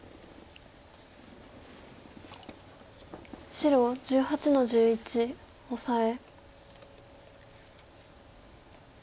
白１８の十一オサエ。